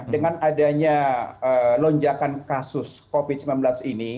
dengan adanya lonjakan kasus covid sembilan belas ini